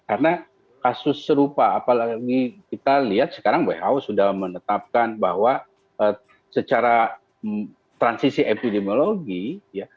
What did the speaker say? karena kasus serupa apalagi kita lihat sekarang who sudah menetapkan bahwa secara transisi epidemiologi ya